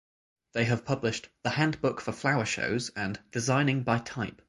They have published The Handbook for Flower Shows and Designing By Type.